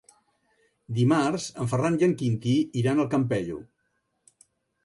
Dimarts en Ferran i en Quintí iran al Campello.